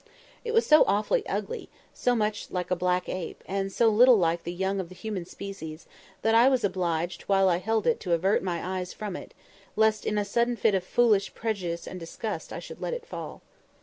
It was so awfully ugly, so much like a black ape, and so little like the young of the human species, that I was obliged while I held it to avert my eyes from it, lest in a sudden fit of foolish prejudice and disgust I should let it fall.